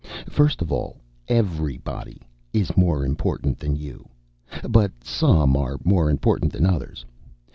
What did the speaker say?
First of all, everybody is more important than you; but some are more important than others.